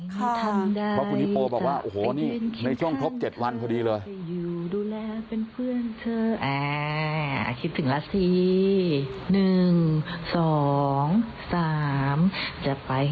เพราะคุณฮิปโปบอกว่าโอ้โหนี่ในช่องครบ๗วันพอดีเลย